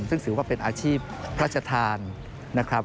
ซึ่งถือว่าเป็นอาชีพพระชธานนะครับ